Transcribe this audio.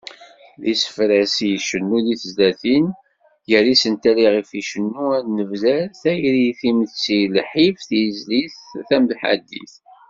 D isefra-s i icennu di tezlatin-is, gar yisental iɣef icennu ad nebder: Tayri, timetti, lḥif, tizlit tamḥaddit.